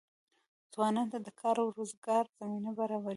ځوانانو ته د کار او روزګار زمینه برابریږي.